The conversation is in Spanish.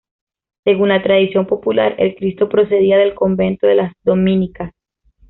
Según la tradición popular, el Cristo procedía del Convento de las Dominicas.